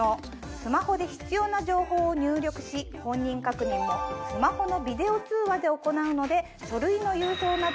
スマホで必要な情報を入力し本人確認もスマホのビデオ通話で行うので。